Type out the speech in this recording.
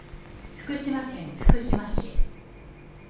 福島県福島市